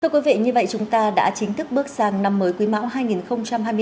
thưa quý vị như vậy chúng ta đã chính thức bước sang năm mới quý mão hai nghìn hai mươi bốn